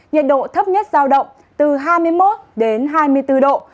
nhiệt độ thấp nhất giao động từ hai mươi một đến hai mươi bốn độ